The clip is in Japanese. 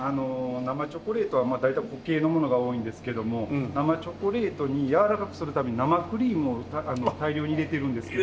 生チョコレートは大体固形のものが多いんですけども生チョコレートにやわらかくするために生クリームを大量に入れてるんですけども。